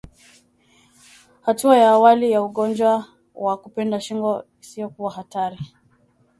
Hatua ya awali ya ugonjwa wa kupinda shingo isiyokuwa hatari